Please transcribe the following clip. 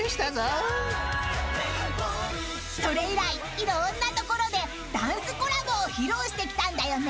［それ以来いろんな所でダンスコラボを披露してきたんだよね］